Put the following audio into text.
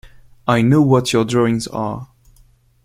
I know what your drawings are.